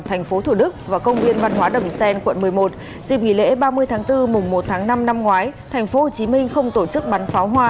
thành phố thủ đức và công viên văn hóa đầm xen quận một mươi một